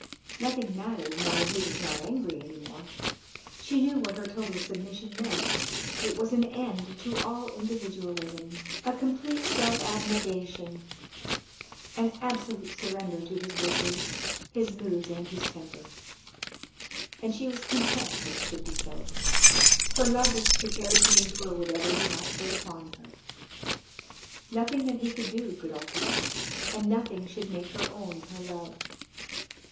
Nothing mattered now that he was not angry any more. She knew what her total submission meant: it was an end to all individualism, a complete self abnegation, an absolute surrender to his wishes, his moods and his temper. And she was content that it should be so, her love was prepared to endure whatever he might put upon her. Nothing that he could do could alter that, and nothing should make her own her love.